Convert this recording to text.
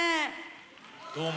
どうも。